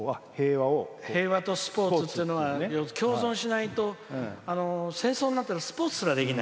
平和とスポーツは共存しないと戦争になったらスポーツすらできない。